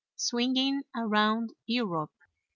SWINGING AROUND EUROPE.